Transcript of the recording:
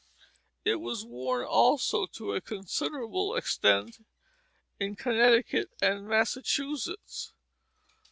It was worn also to a considerable extent in Connecticut and Massachusetts.